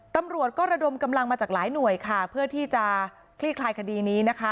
ตำรวจก็ระดมกำลังมาจากหลายหน่วยค่ะเพื่อที่จะคลี่คลายคดีนี้นะคะ